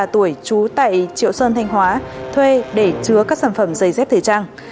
trú tại triệu sơn thanh hóa thuê để chứa các sản phẩm giấy dép thời trang